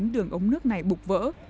đường ống nước này bục vỡ